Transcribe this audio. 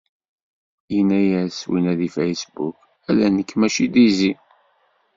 Yenna-yas winna deg Facebook: ala, nekk mačči d izi!